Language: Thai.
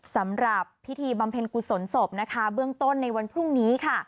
สำหรับพิธีบำเพ็ญกุศลศพนะคะเบื้องต้นในวันพรุ่งนี้ค่ะ